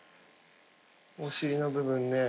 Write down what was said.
お尻の部分ね。